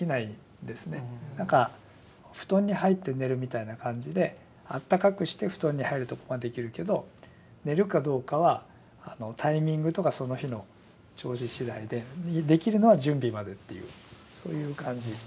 なんか布団に入って寝るみたいな感じであったかくして布団に入るとこまでいけるけど寝るかどうかはタイミングとかその日の調子次第でできるのは準備までっていうそういう感じ。